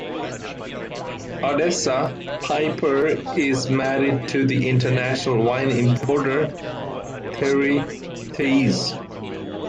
Odessa Piper is married to the international wine importer, Terry Theise.